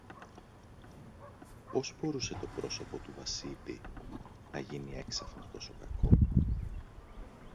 Πώς μπορούσε το πρόσωπο του Βασίλη να γίνει έξαφνα τόσο κακό;